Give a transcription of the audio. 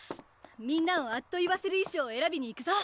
みんなをあっと言わせる衣装をえらびに行くぞ！